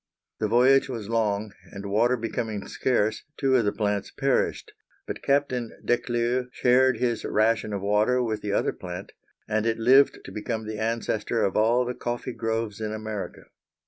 The voyage was long, and water becoming scarce two of the plants perished, but Captain Declieux shared his ration of water with the other plant, and it lived to become the ancestor of all the coffee groves in America.